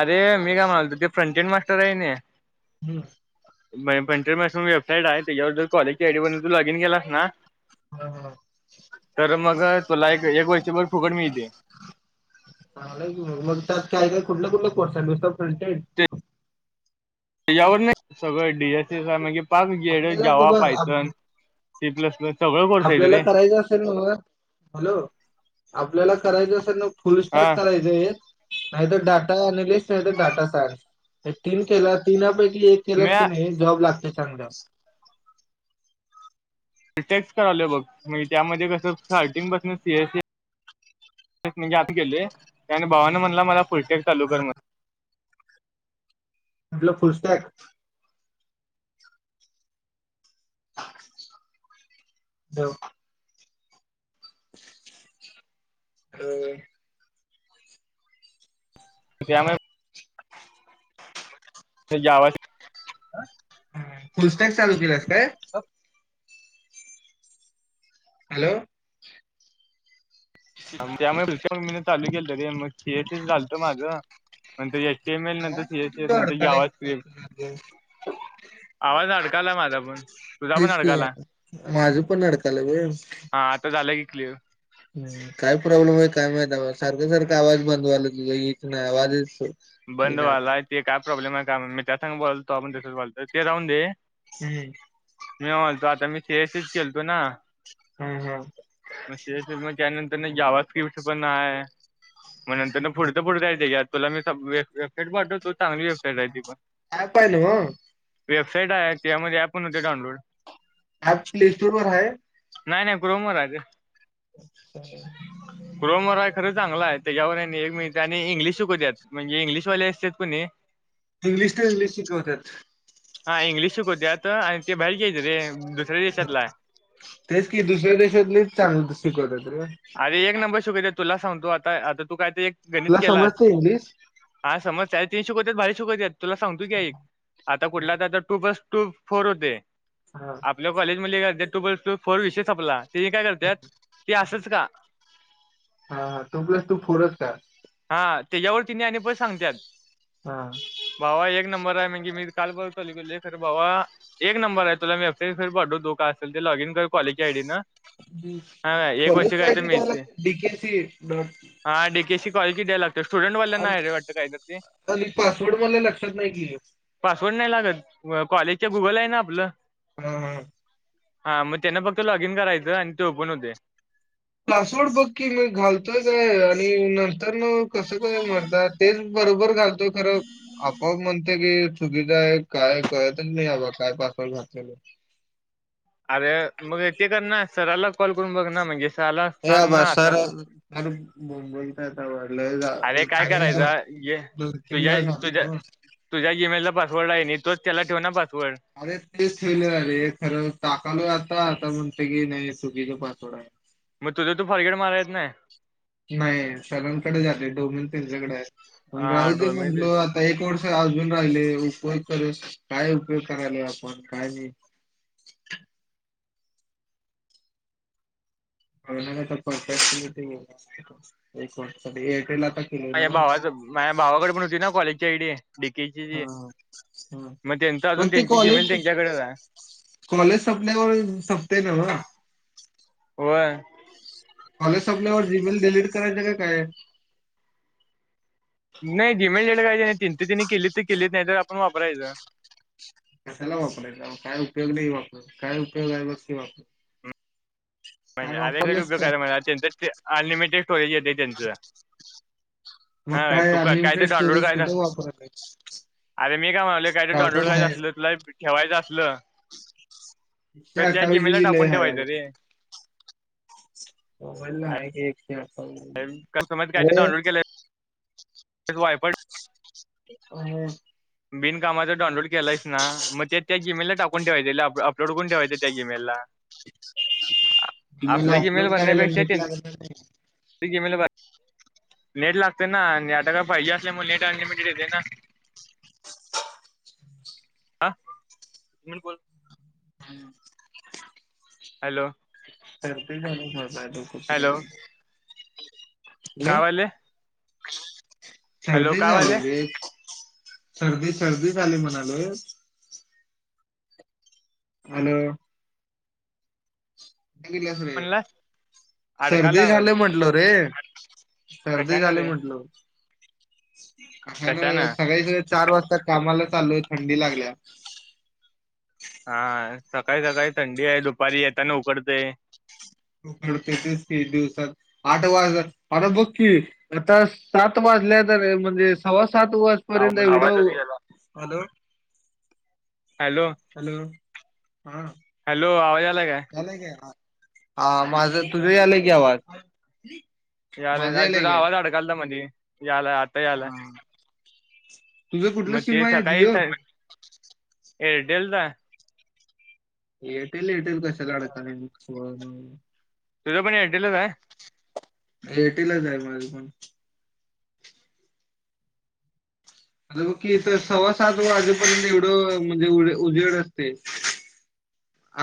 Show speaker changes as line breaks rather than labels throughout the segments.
अरे मी काय म्हणालतो ते फ्रंट करायने
हम्म.
[unintelligible] [inaudible] बाई पण [unintelligible] वेबसाईट आहे त्याच्यावर जर कॉलेजची आयडी बनवून तू लॉगन केलास ना
हम हम [unintelligible]
तर मग तुला एक -एक वर्ष बर फुकट मिळते
चांगल मग त्यात काय- काय कुठलं -कुठलं वर्ष वर्ष फुलते [unintelligible]
[unintelligible] यावर नाही सगळं डीएसीस आहे म्हणजे पा जेड
आपल्याला ग
जेवा
बस
पायतन
आप-
[unintelligible] डी प्लस सगळं कोर्स आहे
आपल्याला
रे
करायचं असेल म्हणूनच हॅलो आपल्याला करायचं असेल ना फुल स्टॉक
हा
करायचं आहे नाहीतर डाट [unintelligible] डाटा सायन्स तीन केलास तीनपेक्ष ते एक
मी
केलंस कनी जॉब लागते चगदस [inaudible]
टेक्ट करालोय बघ म्हणजे त्यामध्ये कसं स्टार्टिंग पसन सी एस सी म्हणजे आम्ही केेले त्या भावानं म्हणला मला फुलटेड
हा,
तालुक्यामध्ये [unintelligible]
म्हटलं फुलस्टॅग ह [inaudible] हो [inaudible] [inaudible] हो [unintelligible]
त्या म [unintelligible] वा [inaudible]
फुस्टॅग चालू केलास काय. हॅलो [inaudible]
त्यामुळेच्या मम्मीने चालू केलं रे मग झालत माझं म म एल नंतर
आवाज का
सीस
तुझा
नंतर जी
अडकालाय?
आवाज कलिप आवाज अडकाला माझा पण तुझा पण
तेच की
अडकाला
माझं पण अडकालय
हा आता झालं. कि क्लव
ह् काय प्रॉब्लेम आहे काय माह सारखं सारखा आवाज बंदवाला तुझ इच नाही आवाजच
बंद
येईना.
व्हाला ते काय प्रॉब्लेम आहे का मी त्यात ांग बोलतो आपण तसच बोलतो ते राहून दे.
हम्म.
मी म्होलतो आता मी सीएसच खेळतो ना.
हा हा.
म म जा त्यां यावाच कवस पण आहे. मग नंतर ना पुडतं पुडत य त्याच्यात तुला [inaudible] खेट वाांडो दो तगली वेबसाईट आहे त
ऍप आहे नव्ह
प वेबसाईट आहे त्यामध्ये पण हो्हते डाउनलोड
ऍप प्ले स्टोर वर
नाही नाही ग्रोमरज
अ्छ
क्रोमरय खरं चांगलं आहे त्याच्यावर एक मि त्याने इंग्लिश शकू द्यात म्हणजे इंग्लिशवाले असत कोुणी
इंग्लिश ते इंग्लिश शिकवतात.
हा इंग्लिश शिकवते आता आणि ते बाहेरचे येत रे दुसऱ्या देशातला आहे.
तेच कि दुसऱ्या देशातलेच चांगलं शिकवत र
अरे एक नंबर शिकवत्यात तुला सांगतो आता आता तू काय ते एक
तुला समजतय इंग्लिश?
समजतय, तेनी शिकवत्यात भारी शिकवत्यात. तुला सांगतोकी ऐक! आता कुठलात्या टू बस टू फोर हुदे.
हा
आपल्या कॉलेज मध्यली ऐक- ते टु बाय टू फोर विषय संपला. ते काय करत्यात ते असंच का
हां हां टु प्लस टु फोरच का?
हां हां तेच्यावरच तेनी आणि परत सगंत्यात.
हां.
एक नंबर आहे, म्हंजे मी काल बगतोले मी खर भावा एक नंबर आहे. तुला मी वेबसाईटर मी पाठवतो, काय असल ते लॉग इन कर. काॅलेज ची आय डी नां, हां काय एक वर्ष
कॉलेजचा
कायते
आयडी द्यायला
मिळते.
लागतो डीकेसी डॉट
हां डे के सी काॅलेजची द्या लागल्या स्टुडन्टवाल्यानां
आणि पासवर्ड मला लक्षात नाही कि.
-सवर्ड नाही लागत व कॉलेजच्या गुगल आहे ना आपलं-
हां हां
हां मग त्यांन फक्त लॉगिन करायचं आणि ते ओपन होतय.
पासवर्ड बघकी मी घालतोय काय आणि नंत- तर मगं कसं काय मर्दा तेच- बरोबर घाल- तोय खरं आपोआप म्हणत- तेगी चुकीच हाय काय कळतच नाहीबा काय पासवर्ड घातलेलं.
आर मग ते कर ना सरलाच कॉल करून बघ ना म्हणजे- सराला
ये
सांग
आबा
ना असं
सर
असं.
[inaudible] मुंबईतर-
अरे काय करायचाय, घे
दोन तीनदा
तुझ्या-तुझ्या
झालं
-तुझ्या जिमेला- पासवर्ड हायने तोच त्याला ठेवना बास-
अरे तेच फेले व्हालय, खरं टाकालोय आता आतापण- तेकीनी चुकीच पासवर्ड आहे.
मग तुझं तू फारगेट माराय येत नाय?
नाही सरांकड झालय डोमन त्यांच्याकड हाय
हा
पण राहु दे
डोमे
म्हटल
ते
आता एक वर्ष- खर अजून राहिलय उपयोग कर, काय उपयोग कराय नाही आपण काय नाही. [unintelligible] एक वर्ष, हे हिकडलं आता -
माझ्या भावाक -माझ्या भावाकड पण होती ना कॉलेजच्या आई डी, डीकेची
हा हा
मग त्यांच
मग
अजून
ते
त्यांची जिमेल
कॉलेज
त्यांच्याकडे आहे.
कॉलेज संपल्यावर संपते ना मग
होयं-
कॉलेज सपंल्यावर जिमेल डिलीट- करायच तर काय!
नाही जीमेल वर तेच तिने केली तर केलीत नाही तर आपण वापरायचं
कशाला वापरायचा काय उपयोग नाही वापर काय उपयोग आहे बग वापर
म्हणजे आल्यासाठी उपयोग करालाला अत्यंत अनलिमिटेड स्टोरेज येते त्यांच
मग
हा तू का काय तर
अनलिमिटेड
डाउनलोड
स्टोरेज
करायचं
कुठे वापरायला
अरे मी काय म्हणाले काय तर डाउनलोड करायचं असल तुला ठेवायचं असल
एकशे
तर त्या
अठ्ठावीस
जिमेला
जीबी लय
टाकून
आहे
ठेवायचं रे
मोबाईल ला आहे की अर
वायफाय
हम
बिनकामाचं डाऊनलोड केलायच ना मग ते त्या जीमेलला टाकून ठेवायचे अपलोड करून ठेवायच त्या जीमेलला
मला
आपलं जीमेल
अपलोड कराला
भरण्यापेक्षा
नेट
त्यांचं
लागत नाही
जीमेल भर नेट लागत आता काय फाइव जी असल्यामुळं नेट अनलिमिटेड येत ना. हा बोल.
हम्म!
हॅलो
करतो, घे मर्दा
हॅलो
[unintelligible]
काय व्हायलय?
सर्दी झाल्या रे सर्दी सर्दी झाला, म्हणालोय. हॅलो! कुठ? गेलायस रे
म्हणलास अडकाला
सर्दी
आवाज
झाल म्हंटलो रे. [unintelligible] सर्दी
कशानं
झाली
रे
म्हटलं. [inaudible] हा, ना
कशानं
सगळीचं. चार वाजता कामाला चालोय थंडी लागल्या.
हा सकाळी सकाळी थंडी आहे दुपारी येताना उकडतयं.
[unintelligible] आठ वाजलं आर बगं की, आता सात वाजल्यात आणि म्हणजे सव्वा सात वाजेपर्यंत
आवल
एवढं हॅलो!
Hello
hello! ह
हँलो आवाज आला काय
झालयं काय? [unintelligible] माझं तुझंही आलंय की आवाज. [unintelligible]
यालाय
माझं
अरे! तुझा,
काय
आवाज अडकालता म्हधी. यालाय आता यालाय.
हा [unintelligible] तुझं कुठल सीम आहे जियो.
एअरटेलच आहे.
[unintelligible] ते एअरटेल कशात अडकालय मग. [unintelligible]
तुझं पण एअरटेल च आहे.
एअरटेल च आहे माझं पण. आता बघ की सव्वा सात वाजेपर्यंत एवढं म्हणजे उजेड असते.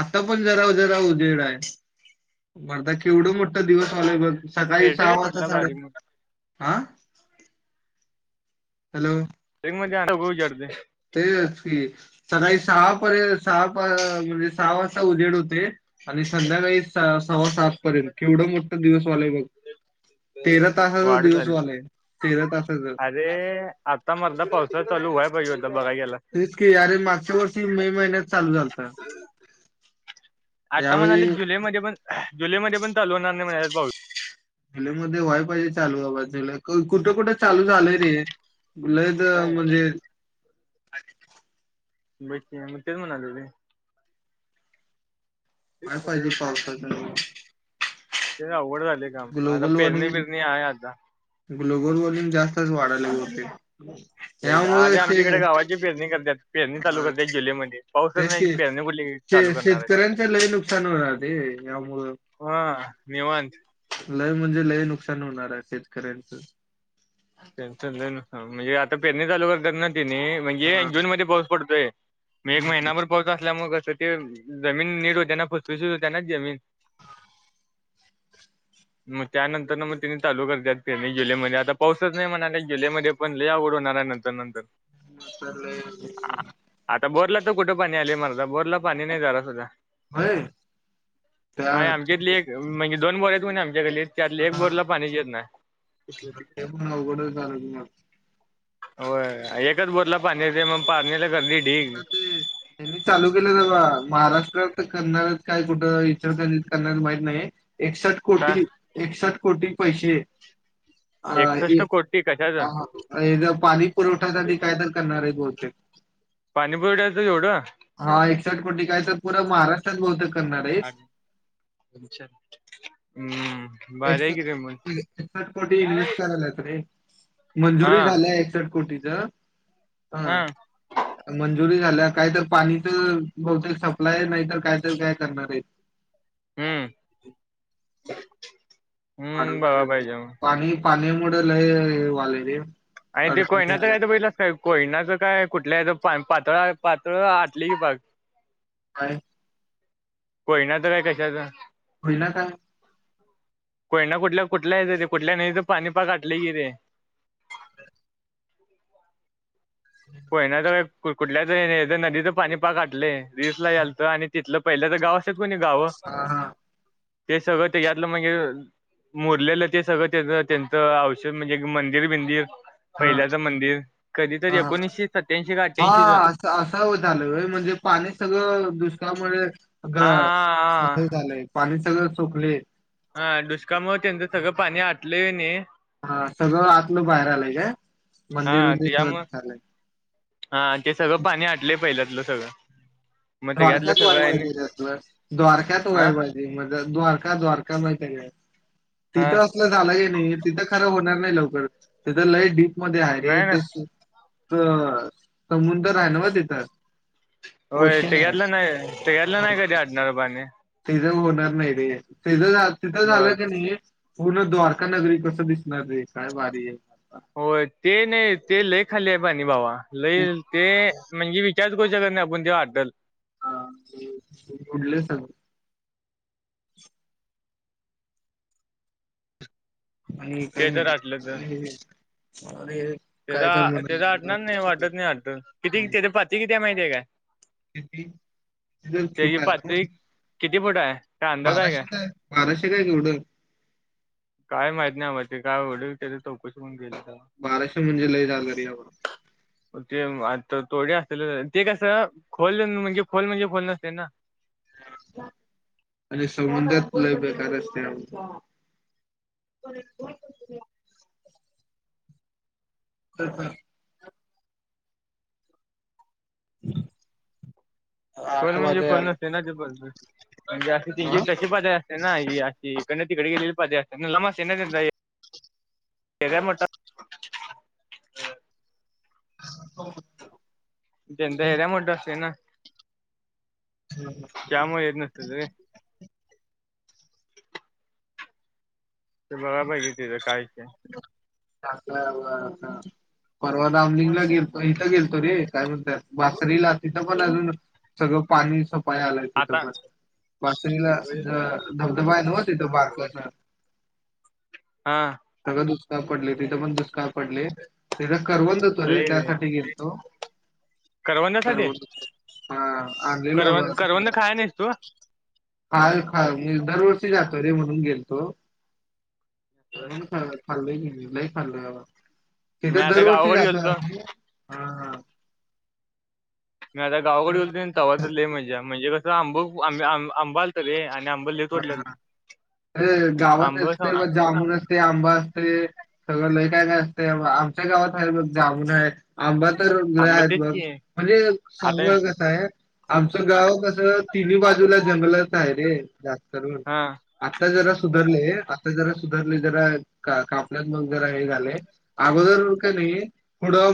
आता पण जरा जरा उजेड आहे. मरडा केवढं मोठ दिवस व्हाव्यात बघ. सकाळी
एअरटेल
सहा वाजता
पडला
साडे
बारीक
आ हॅलो
बारीक मध्ये उजडते
तेच की. सकाळी सहा पर्यंत सहा म्हणजे सहा वाजता उजेड होते आणि संध्याकाळी सव्वा सात पर्यंत केवढं मोठं दिवस आलाय बघ. तेरा तासाचा
वाढ झाल्या
दिवसवालय तेरा तासाच
अरे आता मरदा पावसा चं चालु व्हाय पाहिजे होतं. बघायला
तेच की अरे मागच्या वर्षी मे महिन्यात चालू झालता
आता म्हणाले
यावेळी
जुलै मध्ये पण जुलै मध्ये पण चालु होणार नाही म्हणाले. [unintelligible]
म व्हायफाय पाहिजे चालू जुलै कुठे कुठे चालू झालंय रे. लई तर म्हणजे [unintelligible]
बकी मग तेच म्हणालो रे.
काय पाहिजे पावसाचं.
ते अवघड झालय.
ग्लोबल वॉर्मिंग ग्लोबल वॉर्मिंग जास्तच वाढायला व [unintelligible]
लईला आरे आमच्या इकडे गावाची पेरणी करतात पेरणी चालू
अ
करतात जुलै मध्ये पाऊसच
तेच
नाही
की
पेरणी कुठली
शे
चालू करणार आहेत,
शेतकऱ्यांचे लय नुकसान होणार ते यामुळं
हा निवांत.
लय म्हणजे लय नुकसान होणार आहे शेतकऱ्यांच.
त्याचं लई नुकसान म्हणजे आता पेरणी चालु करताना. कणी म्हणजे
हा
जून मध्ये पाऊस पडतोय. म एक
हम्म.
महिनाभर पाऊस असल्यामुळं क तर ते जमीन नीट होते ना फुसफुसित होत्या ना जमीन. मग त्यानंतर न मग तिने चालु करतात तेनी जुलै म आता पाऊस तर नाही म्हणाले जलै मध्ये पण लयी अवघड होणार आहे नंतर नंतर.
मग तर लय
आ- आता बोरला कुठं पाणी आलेय मर्दा बोरला पाणी नाही जरा सुद्धा.
होय त्या
नाही आमच्यातली एक म्हणजे दोन बोरा तू आणि आमच्या गल्लीत. त्यातली एक
हा
बोरला पाणीच येत नही.
ते पण अवघडच झालं मग.
हो एकच बोरला पानी येते मग पाणीला गर्दी ढीग
आता ते त्यांनी चालू केलं ते बा महाराष्ट्रात करनाऱ्या काय कुठं, इचलकरंजी करनार आहेसं माहीत नाही ये. एकसठ
का
कोटी एकसठ. कोटी पैसे. अ
एकसष्ट कोटी
हा.
कशाचं
हा. हेज पाणी पुरवठ्यासाठी काय तर करणार हायत बहुतेक,
वड्याचं एवढं.
हा एकसठ कोटी काय, तर पुरा महाराष्ट्रात बहुतेक करणार आहेत
[unintelligible] हम्म
[unintelligible]
भारी आहे की रे मग
एकसष्ट कोटी इन्व्हेस्ट कराल्यात रे. [unintelligible]
हा
मंजुरी झाल्या, एकसष्ट कोटीची ज.. हा, म्हणजे मंजुरी झाल्या, काही तर पाणीच बहतेक सप्लाय नाही तर काय तर काय करणार आहेत.
हम्म. हम्म,
वाढवणार
बगाय
आहेत
पाहिजे मग.
पाणी मुळ, लय हे व्हायलय रे.
आणि ते,
अडचणी
कोयनाचं
आल्यात
काय तर बगितलास काय कोयनाचं काय कुठल्या हेच पाणी पातळ पातळ आटलयं की पाक.
काय?
कोयना च काय कशाचा.
होईना का,
कोयना कुठल्या, कुठल्या हेज ते कुठल्या नदीच पाणी पाक आठलं की रे. कोयना च काय कुठल्याच नदीचं पाणी पाक आटले. रील्स यायलतं आणि तिथलं पहिलंच गाव असं कोणी गाव.
हा हा
ते सगळं त्या यातलं म्हणजे, मुरलेलं ते सगळं तेज तेंचं औषध म्हणजे मंदिर बिंदिर.
हा
पहिल्यातल तर मंदिर, कधीतरी
हा..
एकोणीसशे सत्याऐंशी का अठ्ठ्याऐंशीच हा
अस असं झालंय व्हय म्हणजे पाणी सगळं दुष्काळामुळे
हा
हे
हा
झालंय पाणी. सगळं सोकले.
हा दुष्काळमुळं त्यांनचं सगळं पाणी आटले णी.
हा सगळं आतलं, बाहेर आलंय काय. मंदिर
हा
उंदिर सगळं
त्याच्यामुळं,
दिसायलय
हा ते सगळं पाणी आटले पहिल्यात लं सगळं. मग त्याच्यातलं
द्वारक्यात
सगळं
व्हायला
आहे आणि
पाहिजे रे असलं द्वारक्यात
हा
व्हायला पाहिजे द्वारका द्वारका माहितेय काय
हा
तिथं असलं झालंही नाही तिथं खरं होणार नाही लवकर ते तर लईट मध्ये आहे रे
नाही नाही
तस तर समुंदर हाय न्हव तिथं.
होय.
ओशन आहे
तेच्यातल नाही तेच्यातल नाही कधी अटणार पाणी.
तीझ होणार नाही रे तीझ तिच
बर
झालं की नाही. पूर्ण द्वारका नगरी कसं दिसणार रे आहे काय वारी आहे
होय ते नाही ते लय खाली आहे पाणी भावा लई ते म्हणजे वि [inaudible]
हा उडले सग आणि
ते तर आटलं ग
काही अरे
तर
काय
तेचा तेचा
म्हणून
अटणार नाही वाटत नाही आटत किती तेच्या पाती किती ्या माहिती आहे का
किती
त्याची
तूट आहे
पातळी किती फुट आहे काय अंदाज आहे
बाराशे काय बाराशे काय केवढं
आवडरी चौकशीणून गेली
बाराशे म्हणजे लय झालं रे बाबा
तर तोडे असले ते कसं खोल म्हणजे खोल म्हणजे खोल नसते ना
आणि समुद्रात लय बेकार असतय बाबा हम हम [inaudible] [unintelligible]
खोल
आठ
म्हणजे
वाजे
खोल
आलं
नसते ना ते बरोबर म्हणजे अशी त्यांची
हा
कशी पातळी असते ना ही अशी गण तिकडे गेलेली पातळी अस [inaudible] ते का्य मोठा
ह
त्याचा एरिया मोठा असतोय ना. त्यामुळं येेत नसतील रे. तुला काय पाहिजे त्याच काय [inaudible]
परवा दमलिंगला गेलतो इथं गेलतो रे. काय म्हणताय बासरीला. तिथं पण अजून सगळं पाणी पायाला तिथ
आता
बासरीला बासरीला ध धबधबा आहे नव तिथ बारकचा
हा
सगळं दुष्काळ पडले तिथं पण दुष् का पडले. करवंद होेतो रे त्यासाठी गेलतो. [unintelligible]
करवंदासाठी करवंद करवंद खाया नाहीस तू
हा मी दरवर्षी जातो रे म्हणून गेलतो. खाल्लय की मी. नाही खाल्लं.
मी
तिथं
आता
दरवर्षी
गावाकडे
जातो.
गेलतो
हा
मी आता गावाकडे गेलो
दरवर्षी
तवा
जातो.
तर लय मजा म्हणजे कं आंबंं आंबे आ आंब आलत रे. आंब लय तोडलेलं
ह हे गावात
आंब
असते म
सांगतो
जामुन असते. आंबा असते. सगळं लई काय काय असत आमच्या गावात आहे बघ जामुण आहे. आंबा तर
मग
आहेत
तेच
बघ
की
म्हणजे
आता
सांगू कस आहे. आमचं गाव कस तिन्ही
काय
बाजूला
बघू
जंगलात आहे रे. [inaudible] तरुण
हा
आता जरा सु धरले आता जरा सुधरले जरा कापल्या मग जरा हे झाले अगोदर का नाही पुढं